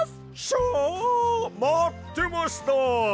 シャまってました！